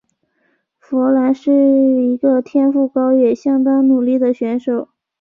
佛兰是一个天赋高也相当努力的选手。